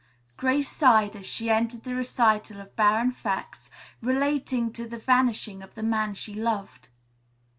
Grace sighed as she ended the recital of barren facts relating to the vanishing of the man she loved.